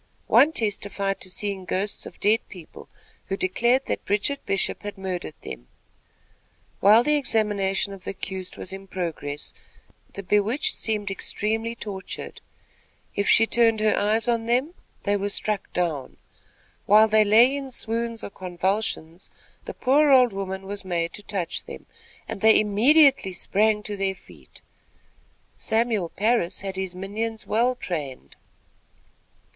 One testified to seeing ghosts of dead people, who declared that Bridget Bishop had murdered them. While the examination of the accused was in progress, the bewitched seemed extremely tortured. If she turned her eyes on them, they were struck down. While they lay in swoons or convulsions, the poor old woman was made to touch them, and they immediately sprang to their feet. Samuel Parris had his minions well trained.